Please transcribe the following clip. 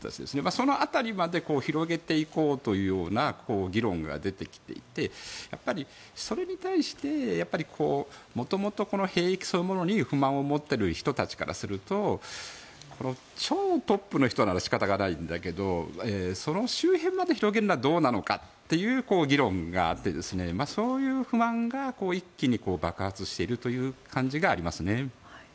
その辺りまで広げていこうというような議論が出てきていてやっぱりそれに対して元々、この兵役そのものに不満を持っている人たちからすると超トップの人なら仕方がないんだけどその周辺まで広げるのはどうなのかという議論があってそういう不満が一気に爆発しているという感じがありますね。